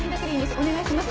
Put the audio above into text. お願いします。